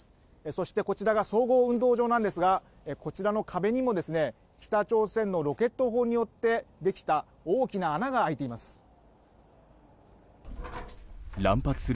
そして、こちらが総合運動場なんですがこちらの壁にも、北朝鮮のロケット砲によってできた大きな穴が開いています。